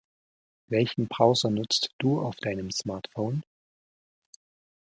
Welchen Browser nutzt du auf deinem Smartphone?